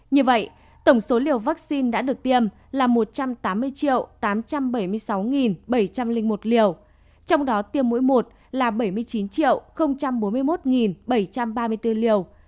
như vậy tổng số liều vaccine đã được tiêm là một trăm tám mươi tám trăm bảy mươi sáu bảy trăm linh một liều trong đó tiêm mũi một là bảy mươi chín bốn mươi một bảy trăm ba mươi bốn liều